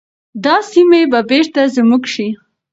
دا سیمي به بیرته زموږ شي.